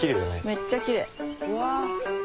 めっちゃきれい。